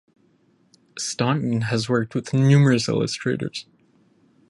Staunton has worked with numerous illustrators.